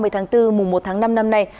ba mươi tháng bốn mùa một tháng năm năm nay